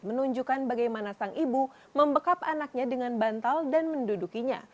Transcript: menunjukkan bagaimana sang ibu membekap anaknya dengan bantal dan mendudukinya